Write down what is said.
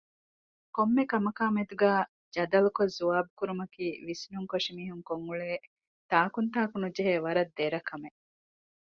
ކޮންމެކަމަކާމެދުގައި ޖަދަލުކޮށް ޒުވާބުކުރުމަކީ ވިސްނުންކޮށި މީހުންކޮށްއުޅޭ ތާކުންތާކުނުޖެހޭ ވަރަށް ދެރަކަމެއް